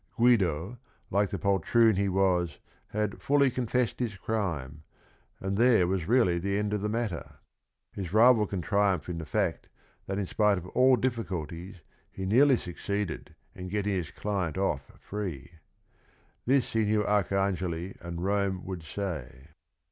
Guido, "like the poltroon he was," had "fully confessed his crime," and there was really the end of the matter. His rival can triumph in the fact that in spite of all difficulties he nearly succeeded in getting his client off free. This he knew Arcangeli and Rome would say.